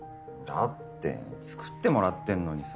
だって作ってもらってんのにさ。